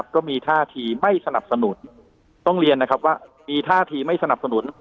ก็มีท่าทีไม่สนับสนุนต้องเรียนนะครับว่ามีท่าทีไม่สนับสนุน